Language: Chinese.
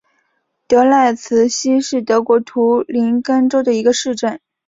德赖茨希是德国图林根州的一个市镇。